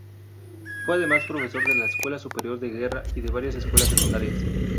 Fue, además, profesor en la Escuela Superior de Guerra y de varias escuelas secundarias.